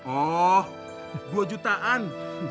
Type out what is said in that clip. oh dua jutaan